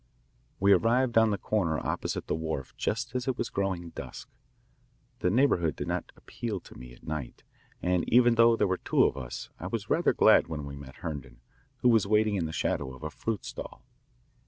We arrived on the corner opposite the wharf just as it was growing dusk. The neighbourhood did not appeal to me at night, and even though there were two of us I was rather glad when we met Herndon, who was waiting in the shadow of a fruit stall.